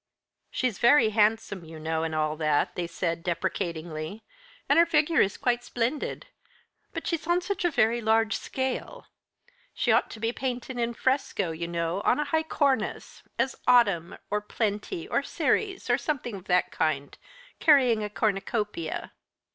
"She's very handsome, you know, and all that," they said deprecatingly, "and her figure is quite splendid; but she's on such a very large scale. She ought to be painted in fresco, you know, on a high cornice. As Autumn, or Plenty, or Ceres, or something of that kind, carrying a cornucopia.